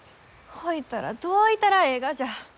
ほいたらどういたらえいがじゃ？